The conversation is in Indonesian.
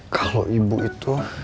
kalau ibu itu